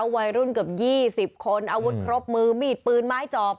วัยรุ่นเกือบ๒๐คนอาวุธครบมือมีดปืนไม้จอบ